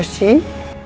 gak bagus lah